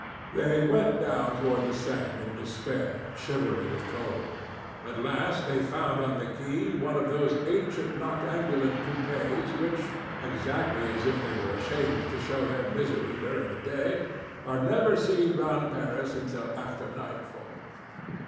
They went down toward the Seine, in despair, shivering with cold. At last they found on the quay one of those ancient noctambulent coupés which, exactly as if they were ashamed to show their misery during the day, are never seen round Paris until after nightfall.